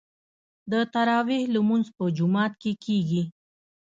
د تراويح لمونځ په جومات کې کیږي.